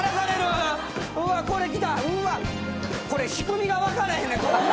これ仕組みが分からへんねん。